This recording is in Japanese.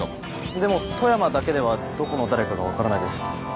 でも富山だけではどこの誰かが分からないです。